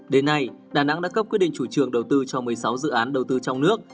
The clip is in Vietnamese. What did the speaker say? đến nay đà nẵng đã cấp quyết định chủ trương đầu tư cho một mươi sáu dự án đầu tư trong nước